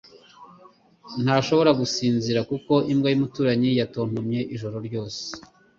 ntashobora gusinzira kuko imbwa yumuturanyi yatontomye ijoro ryose.